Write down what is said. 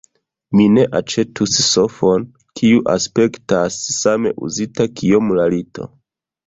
Mi ne aĉetus sofon kiu aspektas same uzita kiom la lito.